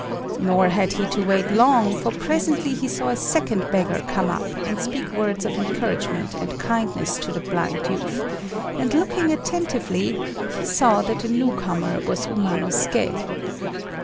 Nor had he to wait long, for presently he saw a second beggar come up and speak words of encouragement and kindness to the blind youth; and looking attentively, he saw that the new comer was Umanosuké.